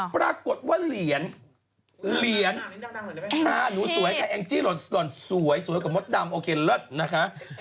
ปรากฏว่าเหรียญเหรียญค่ะหนูสวยค่ะแองจี้หล่อนสวยสวยกว่ามดดำโอเคเลิศนะคะ